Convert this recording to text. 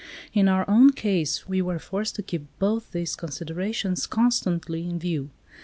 In our own case we were forced to keep both these considerations constantly in view.